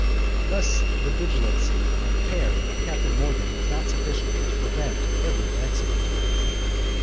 Thus the vigilancy and care of Captain Morgan was not sufficient to prevent every accident.